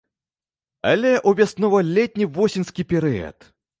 Але ў вяснова-летні-восеньскі перыяд.